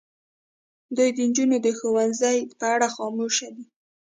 دوی د نجونو د ښوونځي په اړه خاموش دي.